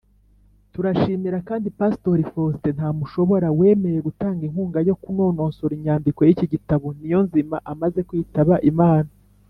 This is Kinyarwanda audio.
Turashimira kandi Pastori Faustin Ntamushobora wemeye gutanga inkunga yo kunononsora inyandiko y’iki gitabo Niyonzima amaze kwitaba Imana.